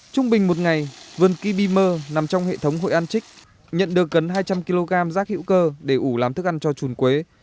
trung bình một ngày vườn kimer nằm trong hệ thống hội an trích nhận được gần hai trăm linh kg rác hữu cơ để ủ làm thức ăn cho chuồn quế